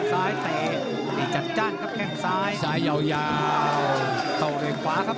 ท่านผู้ชมครับท่านผู้ชมครับท่านผู้ชมครับ